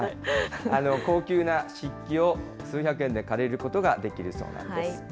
高級な漆器を数百円で借りることができるそうなんです。